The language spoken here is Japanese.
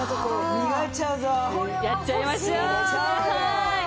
やっちゃいましょう！